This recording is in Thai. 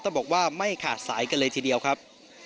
ต้องบอกว่าไม่ขาดสายกันเลยทีเดียวครับ